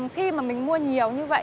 khi mà mình mua nhiều như vậy